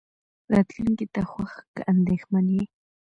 راتلونکې ته خوښ که اندېښمن يې.